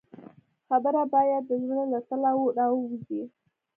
خبره باید د زړه له تله راووځي.